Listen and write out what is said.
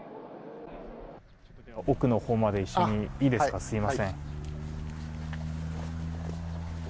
奥のほうまで一緒にいいですか、すみません。